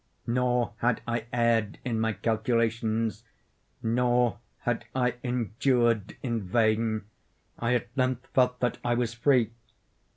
Nor had I erred in my calculations—nor had I endured in vain. I at length felt that I was free.